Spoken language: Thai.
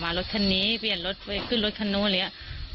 มารถคันนี้เปลี่ยนรถไปขึ้นรถคันนู้นอะไรอย่างเงี้ย